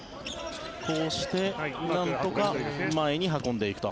こうしてなんとか前に運んでいくと。